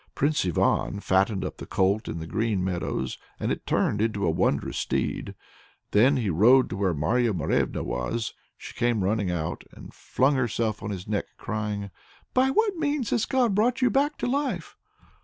Prince Ivan fattened up the colt in the green meadows, and it turned into a wondrous steed. Then he rode to where Marya Morevna was. She came running out, and flung herself on his neck, crying: "By what means has God brought you back to life?"